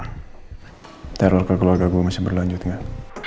teror ke keluarga gue masih berlanjut gak